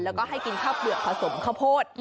แล้วก็ให้กินข้าวเปลือกผสมข้าวโพด